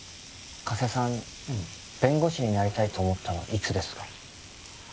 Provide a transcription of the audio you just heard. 加瀬さんうん弁護士になりたいと思ったのいつですか？